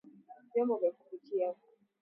Vyombo vya kupikia